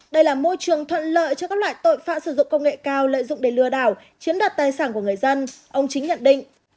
đây là môi trường thuận lợi cho các loại tội phạm sử dụng công nghệ cao lợi dụng để lừa đảo chiếm đoạt tài sản của người dân ông chính nhận định